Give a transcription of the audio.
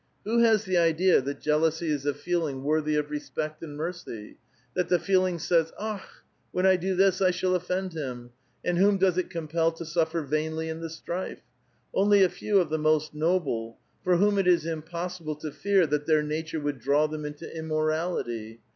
Who has the idea that jealousy is a feeling ^vorthy of respect and mercy, that the feeling says, ' Akh! when I f do this, I shall offend him '; and whom does it compel to \ suffer vainly in the strife ? Only a few of the most noble, 1 for whom it is impossible to fear that their nature would J draw them into immorality.